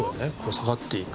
下がっていく